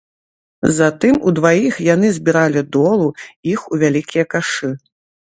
Затым удваіх яны збіралі долу іх у вялікія кашы.